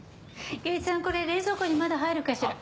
祐一さんこれ冷蔵庫にまだ入るかしら？